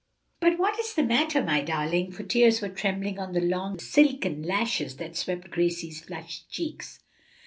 "But what is the matter, my darling?" for tears were trembling on the long silken lashes that swept Gracie's flushed cheeks.